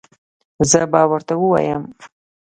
زه به ورته ووایم